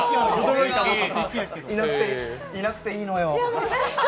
いなくていいのよ。